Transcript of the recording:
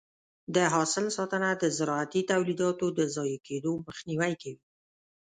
د حاصل ساتنه د زراعتي تولیداتو د ضایع کېدو مخنیوی کوي.